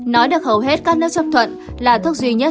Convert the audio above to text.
nói được hầu hết các nước chấp thuận là thuốc duy nhất